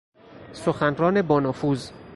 سخنران با نفوذ